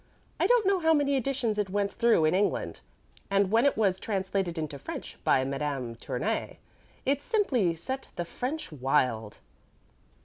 I don't know how many editions it went through in England, and when it was translated into French by Madame Tournay, it simply set the French wild."